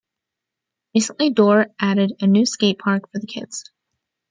Recently Dorr added a new skatepark for the kids.